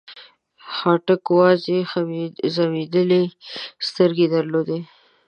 خاټک وازې ځمبېدلې سترګې درلودې.